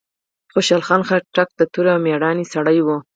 خوشحال خان خټک د توری او ميړانې سړی وه.